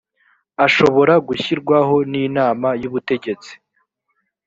ashobora gushyirwaho n inama y ubutegetsi